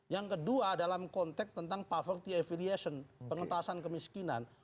yang kedua dalam konteks tentang poverty affiliation pengetasan kemiskinan